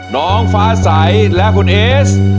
น้องฟ้าใสและคุณเอส